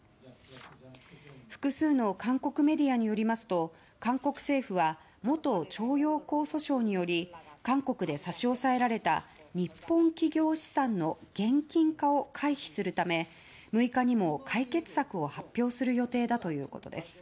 複数の韓国メディアによりますと韓国政府は元徴用工訴訟により韓国で差し押さえられた日本企業資産の現金化を回避するため６日にも解決策を発表する予定だということです。